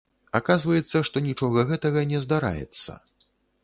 Аказваецца, што нічога гэтага не здараецца.